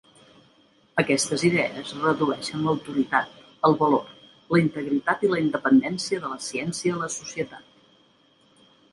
Aquestes idees redueixen l'autoritat, el valor, la integritat i la independència de la ciència a la societat.